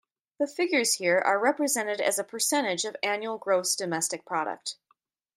The figures here are represented as a percentage of annual gross domestic product.